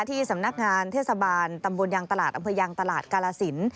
ที่สำนักงานเทศบาลตำบลยางตลาดอำเภอยังตลาดกาลสิน